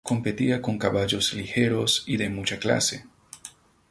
Competía con caballos ligeros y de mucha clase.